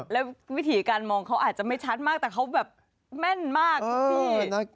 แล้ววิถีการมองเขาอาจจะไม่ชัดมากแต่เขาแบบแม่นมากคุณพี่